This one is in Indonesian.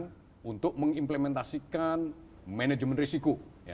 bagi perusahaan untuk mengimplementasikan manajemen risiko